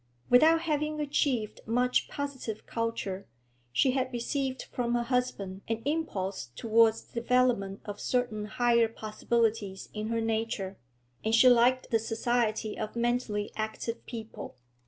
Without having achieved much positive culture, she had received from her husband an impulse towards the development of certain higher possibilities in her nature, and she liked the society of mentally active people.